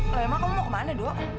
loh emang kamu mau ke mana do